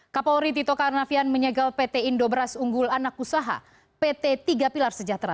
kapolri tito karnavian menyegal pt indobras unggul anak usaha pt tiga pilar sejahtera